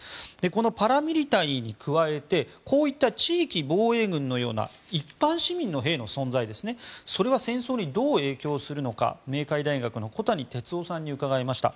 このパラミリタリーに加えてこういった地域防衛軍のような一般市民の兵の存在がそれは戦争にどう影響するのか明海大学の小谷哲男さんに伺いました。